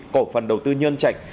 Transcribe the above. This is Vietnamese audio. cổ phần đầu tư nhân trạch